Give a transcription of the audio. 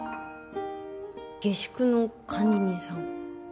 下宿の管理人さん。